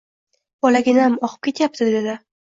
Bolaginam oqib ketyapti dedi